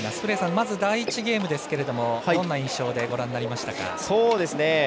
まず第１ゲームですけどどんな印象でご覧になりましたか。